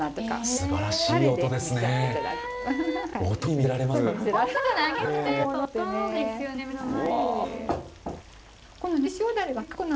すばらしい音ですねえ。